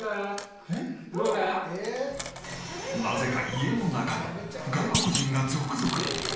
なぜか家の中に外国人が続々！